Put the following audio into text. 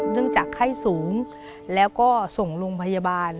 เนื่องจากไข้สูงแล้วก็ส่งลงพยาบาล